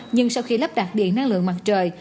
nhưng sau khi lắp đặt điện năng lượng mặt trời